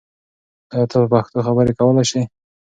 آیا ته په پښتو خبرې کولای شې؟